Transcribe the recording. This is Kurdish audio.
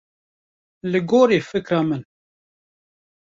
Li gorî fikra min.